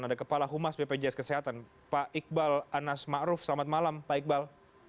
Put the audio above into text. ada kepala humas bpjs kesehatan pak iqbal anas ma'ruf selamat malam pak iqbal